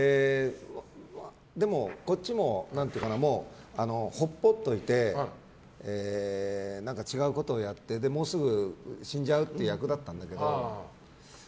でも、こっちも放っといても違うことをやってもうすぐ死んじゃうという役だったんだけど。